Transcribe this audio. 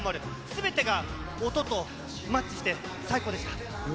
すべてが音とマッチして、最高でした。